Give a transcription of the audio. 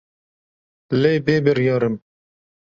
Lê bêbiryar im.